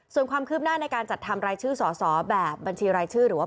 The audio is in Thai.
ส่วนความคืบหน้าในการจัดทำรายชื่อสอสอแบบบัญชีรายชื่อหรือว่า